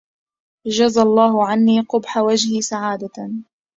جزى الله عني قبح وجهي سعادة